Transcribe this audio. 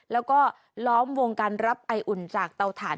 แล้วก็ล้อมวงการรับไออุ่นจากเตาถ่าน